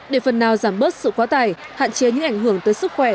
để phần nào giảm bớt sự quá tải hạn chế những ảnh hưởng tới sức khỏe